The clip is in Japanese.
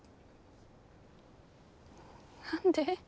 何で。